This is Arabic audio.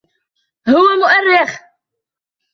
هو مؤرخ.